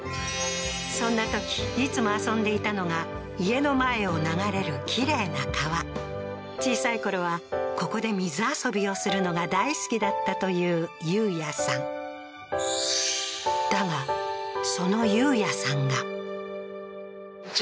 そんなときいつも遊んでいたのが家の前を流れるきれいな川小さいころはここで水遊びをするのが大好きだったという憂哉さんだがえっ？